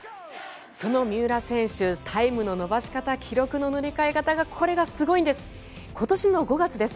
その三浦選手、タイムの伸ばし方記録の塗り替え方これがすごいんです。